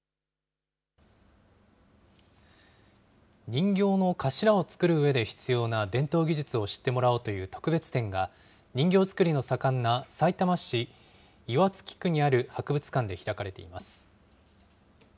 人形の頭を作るうえで必要な伝統技術を知ってもらおうという特別展が、人形作りの盛んなさいたま市岩槻区にある博物館で開かれています。